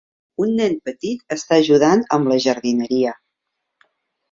Un nen petit està ajudant amb la jardineria.